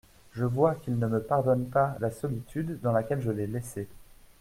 Je vois qu'il ne me pardonne pas la solitude dans laquelle je l'ai laissé.